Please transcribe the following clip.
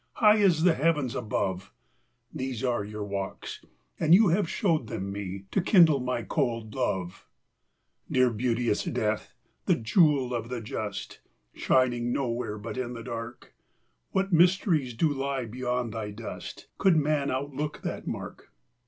High as the heavens above ! These are your walks, and you have showed them me To kindle my cold love. 215 THEY ARE ALL GONE Dear, beauteous Death; the jewel of the just, Shining nowhere but in the dark; What mysteries do lie beyond thy dust, Could man outlook that mark!